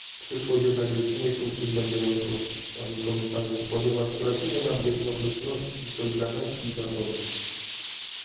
Przyszłość jednak rysuje się przygnębiająco, panie komisarzu, ponieważ brakuje nam jednomyślności, solidarności i zasobów